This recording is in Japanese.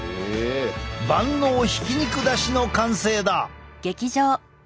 万能ひき肉だしの完成だ！